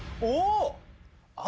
お！